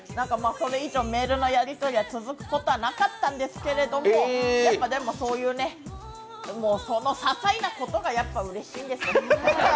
それ以上メールのやり取りは続くことはなかったんですけれども、やっぱりささいなことがうれしいですよ。